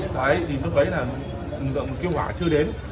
đấy thì lúc đấy là kêu hỏa chưa đến